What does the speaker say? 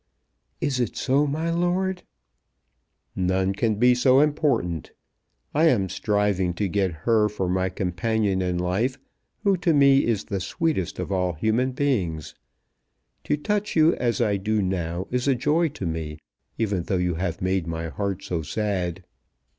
"Is it so, my lord?" "None can be so important. I am striving to get her for my companion in life, who to me is the sweetest of all human beings. To touch you as I do now is a joy to me, even though you have made my heart so sad."